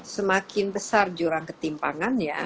semakin besar jurang ketimpangan ya